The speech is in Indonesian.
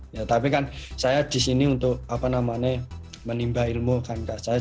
ya tapi kan saya di sini untuk apa namanya menimba ilmu kan saya